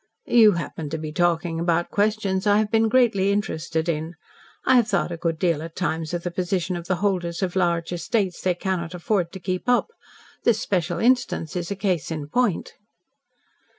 "You happen to be talking about questions I have been greatly interested in. I have thought a good deal at times of the position of the holders of large estates they cannot afford to keep up. This special instance is a case in point."